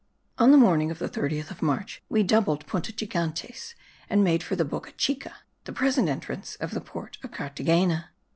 On the morning of the 30th of March we doubled Punta Gigantes, and made for the Boca Chica, the present entrance of the port of Carthagena.